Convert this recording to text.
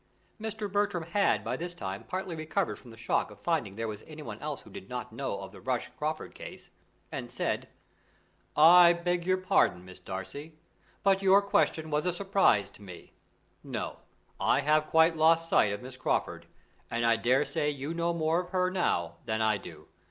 Mr. Bertram had by this time partly recovered from the shock of finding there was anyone who did not know of the Rushworth Crawford case, and said: "I beg your pardon, Miss Darcy, but your question was a surprise to me. No, I have quite lost sight of Miss Crawford, and I daresay you know more of her now than I do.